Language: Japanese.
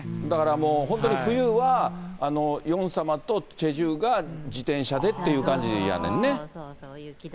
だからもう本当に冬は、ヨン様とチェ・ジウが自転車でっていう感じやねんね。